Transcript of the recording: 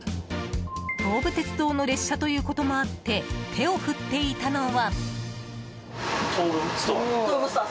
東武鉄道の列車ということもあって手を振っていたのは。